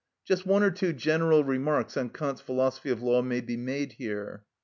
Just one or two general remarks on Kant's "Philosophy of Law" may be made here.